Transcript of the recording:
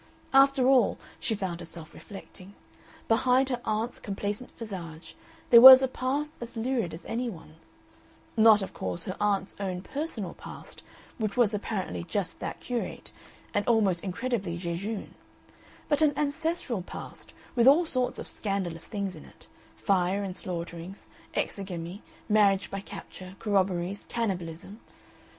After all, she found herself reflecting, behind her aunt's complacent visage there was a past as lurid as any one's not, of course, her aunt's own personal past, which was apparently just that curate and almost incredibly jejune, but an ancestral past with all sorts of scandalous things in it: fire and slaughterings, exogamy, marriage by capture, corroborees, cannibalism!